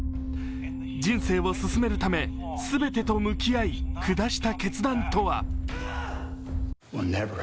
人生を進めるため全てと向き合い下した決断とは。